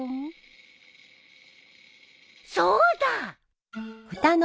そうだ！